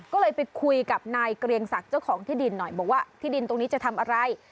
ก็เลยไปคุยกับนายเกรียงศักดิ์เจ้าของที่ดินหน่อยบอกว่าที่ดินตรงนี้จะทำอะไร